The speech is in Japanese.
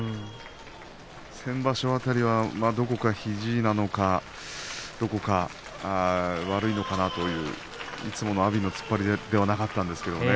先場所辺りはどこか肘なのかどこか悪いのかなといういつもの阿炎の突っ張りではなかったんですけどね